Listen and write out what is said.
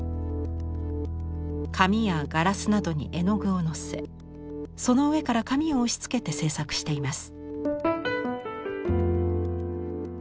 紙やガラスなどに絵の具をのせその上から紙を押しつけて制作しています。